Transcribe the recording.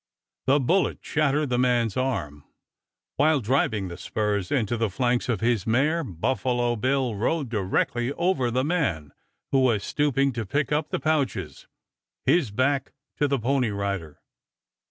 The bullet shattered the man's arm while, driving the spurs into the flanks of his mare, Buffalo Bill rode directly over the man who was stooping to pick up the pouches, his back to the pony rider.